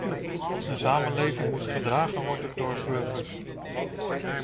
Een samenleving moet gedragen worden door burgers.